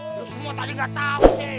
lo semua tadi gak tau